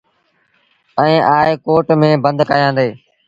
ائيٚݩ آئي ڪوٽ ميݩ بند ڪيآݩدي۔